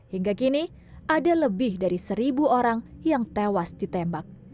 hingga kini ada lebih dari seribu orang yang tewas ditembak